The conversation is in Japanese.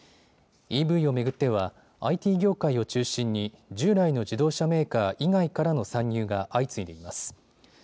ＥＶを巡ってはＩＴ業界を中心に従来の自動車メーカー以外からの参入が相次いでいます。